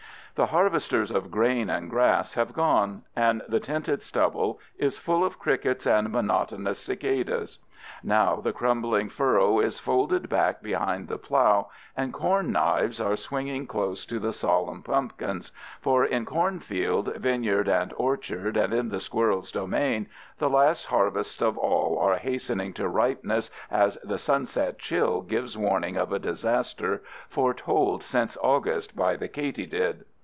The harvesters of grain and grass have gone, and the tinted stubble is full of crickets and monotonous cicadas. Now the crumbling furrow is folded back behind the plow and corn knives are swinging close to the solemn pumpkins, for in cornfield, vineyard, and orchard and in the squirrel's domain the last harvests of all are hastening to ripeness as the sunset chill gives warning of a disaster foretold since August by the katydid.